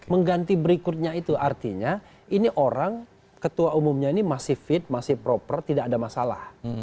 mengganti berikutnya itu artinya ini orang ketua umumnya ini masih fit masih proper tidak ada masalah